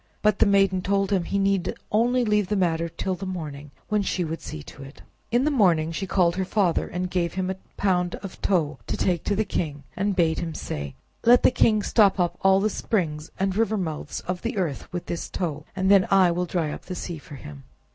But the maiden told him he need only leave the matter till the morning, when she would see to it. In the morning she called her father, and gave him a pound of tow to take to the king, and bade him say: "Let the king stop up all the springs and river mouths of the earth with this tow, and then will I dry up the sea for him."